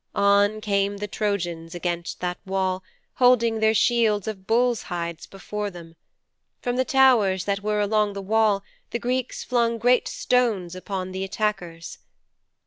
On came the Trojans against that wall, holding their shields of bulls' hides before them. From the towers that were along the wall the Greeks flung great stones upon the attackers.'